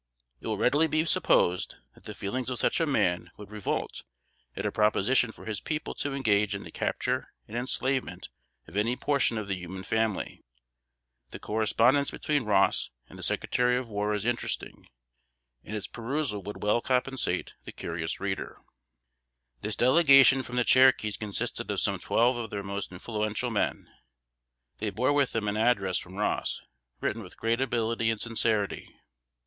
It will readily be supposed, that the feelings of such a man would revolt at a proposition for his people to engage in the capture and enslavement of any portion of the human family. The correspondence between Ross and the Secretary of War is interesting, and its perusal would well compensate the curious reader. This delegation from the Cherokees consisted of some twelve of their most influential men. They bore with them an address from Ross, written with great ability and sincerity.